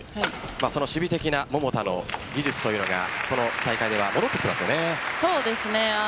その守備的な桃田の技術というのがこの大会ではそうですね。